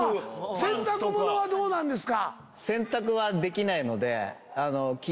洗濯物はどうなんですか？